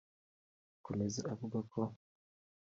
Akomeza avuga ko